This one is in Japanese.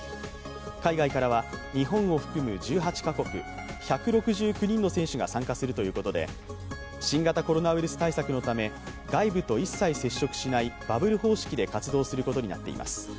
海外からは日本を含む１８カ国１６９人の選手が参加するということで、新型コロナウイルス対策のため、外部と一切接触しないバブル方式で活動することになっています。